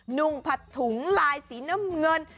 นุ่งผัดถุงลายสีน้ำเงิน